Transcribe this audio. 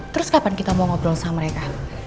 terus kapan kita mau ngobrol sama mereka